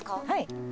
はい。